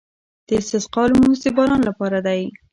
د استسقا لمونځ د باران لپاره دی.